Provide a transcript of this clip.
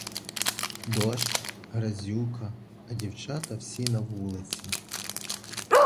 Дощ, грязюка — а дівчата всі на вулиці.